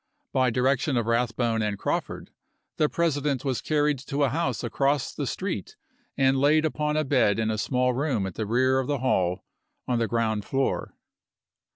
By direction of Eathbone and Crawford, the President was carried to a house across the street and laid upon a bed in a small room at the rear of the hall, on the ground floor.